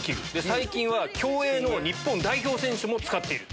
最近は競泳の日本代表選手も使っている。